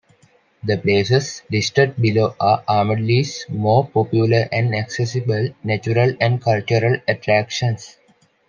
The places listed below are Armadale's more popular and accessible natural and cultural attractions.